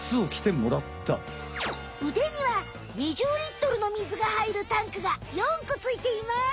うでには２０リットルのみずがはいるタンクが４こついています。